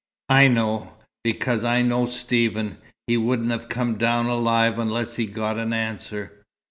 "I know, because I know Stephen. He wouldn't have come down alive unless he'd got an answer."